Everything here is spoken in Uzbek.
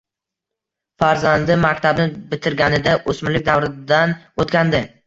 Farzandi maktabni bitirganida oʻsmirlik davridan oʻtgandi